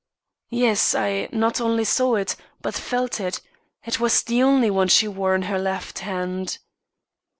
"Yes I not only saw it, but felt it. It was the only one she wore on her left hand."